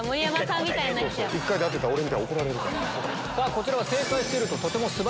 こちらは。